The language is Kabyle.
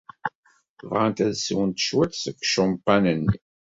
Bɣant ad swent cwiṭ seg ucampan-nni.